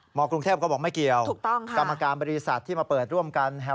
หมอกรุงเทพฯก็บอกไม่เกี่ยวคำอาการบริษัทที่มาเปิดร่วมกันถูกต้องค่ะ